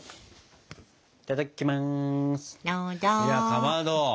いたただきます。